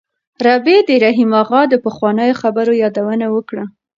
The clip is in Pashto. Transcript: رابعې د رحیم اغا د پخوانیو خبرو یادونه وکړه.